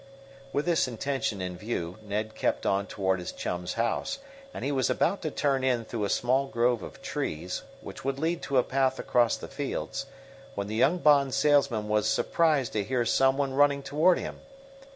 With this intention in view, Ned kept on toward his chum's house, and he was about to turn in through a small grove of trees, which would lead to a path across the fields, when the young bond salesman was surprised to hear some one running toward him.